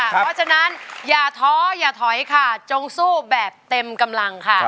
เพราะฉะนั้นอย่าท้ออย่าถอยค่ะจงสู้แบบเต็มกำลังค่ะ